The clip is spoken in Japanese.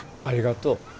ありがとう。